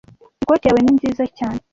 Ikoti yawe ni nziza cyane.